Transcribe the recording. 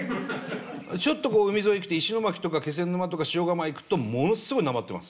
ちょっとこう海沿い行くと石巻とか気仙沼とか塩竈へ行くとものすごいなまってます。